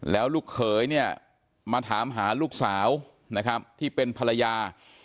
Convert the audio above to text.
แล้วลูกเขยเนี่ยมาถามหาลูกสาวนะครับที่เป็นภรรยา